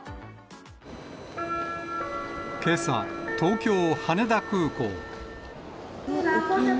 けさ、東京・羽田空港。